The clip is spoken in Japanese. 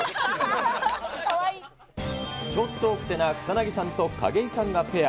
ちょっと奥手な草薙さんと景井さんがペア。